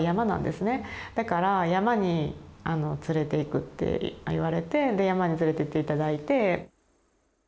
だから山に連れていくって言われてで山に連れていって頂いて。